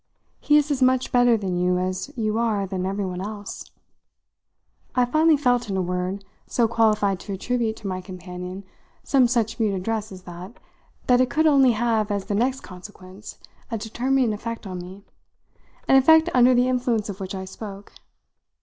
He is as much better than you as you are than everyone else." I finally felt, in a word, so qualified to attribute to my companion some such mute address as that, that it could only have, as the next consequence, a determining effect on me an effect under the influence of which I spoke.